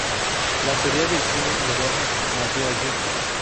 La teoría del cine moderna nació allí.